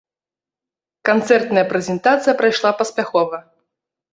Канцэртная прэзентацыя прайшла паспяхова.